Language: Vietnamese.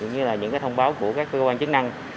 cũng như là những thông báo của các cơ quan chức năng